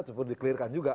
itu perlu di clearkan juga